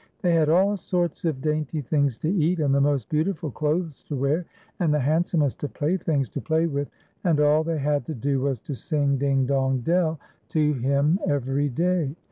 They had all sorts of daint}' thin;4s to cat, and the most beautiful clothes to wear, and the handsomest of playthings to play with, and all they had to do was to sing " Ding, dong, dell" to him every day.